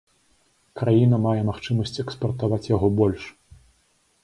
Краіна мае магчымасць экспартаваць яго больш.